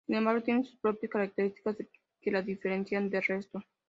Sin embargo tiene sus propias características que la diferencian del resto.